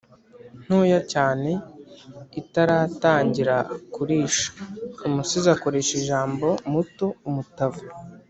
ntoya cyane itaratangira kurisha umusizi akoresha ijambo “muto”; “umutavu”